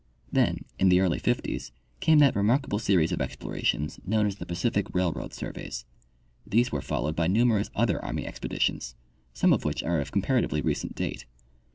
Then, in the early fifties, came that remarkable series of explorations known as the Pacific railroad surveys. These were followed by numerous other army expeditions, some of which are of comparatively recent date.